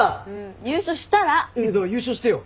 優勝してよ。